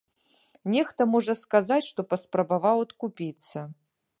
Нехта можа сказаць, што паспрабаваў адкупіцца.